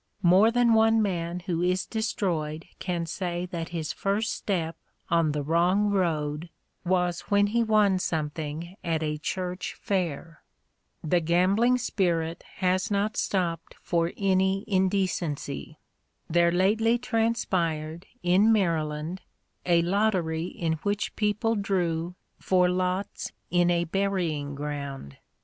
More than one man who is destroyed can say that his first step on the wrong road was when he won something at a church fair. The gambling spirit has not stopped for any indecency. There lately transpired, in Maryland, a lottery in which people drew for lots in a burying ground!